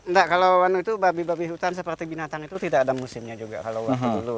enggak kalau itu babi babi hutan seperti binatang itu tidak ada musimnya juga kalau waktu dulu